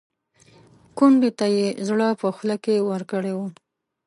کونډې ته یې زړه په خوله کې ورکړی و.